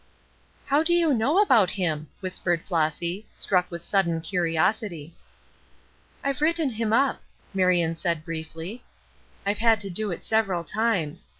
"How do you know about him?" whispered Flossy, struck with sudden curiosity. "I've written him up," Marion said, briefly. "I've had to do it several times.